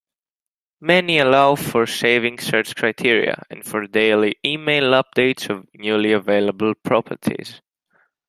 Many allow for saving search criteria and for daily email updates of newly-available properties.